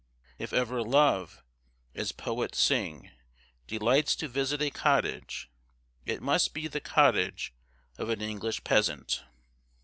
If ever Love, as poets sing, delights to visit a cottage, it must be the cottage of an English peasant.